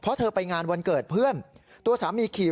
เพราะเธอไปงานวันเกิดเพื่อนตัวสามีขี่